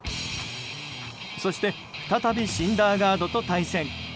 そして、再びシンダーガードと対戦。